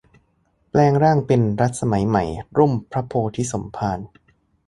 แปลงร่างเป็น รัฐสมัยใหม่ - ร่มพระบรมโพธิสมภาร